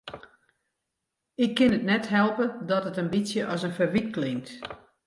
Ik kin it net helpe dat it in bytsje as in ferwyt klinkt.